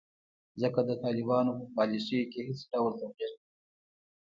ځکه د طالبانو په پالیسیو کې هیڅ ډول تغیر